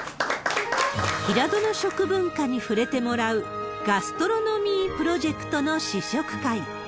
平戸の食文化に触れてもらう、ガストロノミープロジェクトの試食会。